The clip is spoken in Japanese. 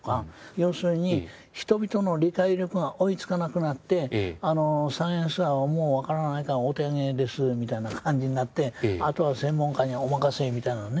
要するに人々の理解力が追いつかなくなってサイエンスはもう分からないからお手上げですみたいな感じになってあとは専門家にお任せみたいなね